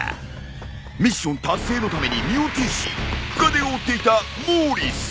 ミッション達成のために身をていし深手を負っていたモーリス。